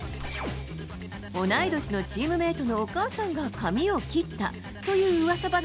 同い年のチームメートのお母さんが髪を切ったといううわさ話